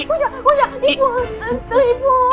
ibu ibu ibu rosa aduh siapa yang hilang tadi aduh mbak mirna oh iya